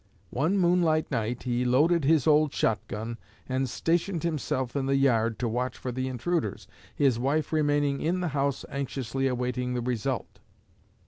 One moonlight night he loaded his old shot gun and stationed himself in the yard to watch for the intruders, his wife remaining in the house anxiously awaiting the result.